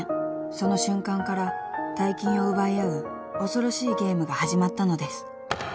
［その瞬間から大金を奪い合う恐ろしいゲームが始まったのです］